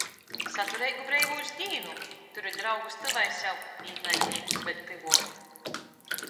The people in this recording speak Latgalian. Satureigu breivūs dīnu!... Turit draugus tyvai sev, īnaidnīkus vēļ tyvuok...